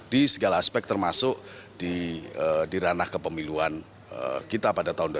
di segala aspek termasuk di ranah kepemiluan kita pada tahun dua ribu sembilan belas